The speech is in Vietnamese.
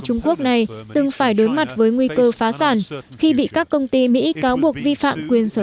trung quốc này từng phải đối mặt với nguy cơ phá sản khi bị các công ty mỹ cáo buộc vi phạm quyền sở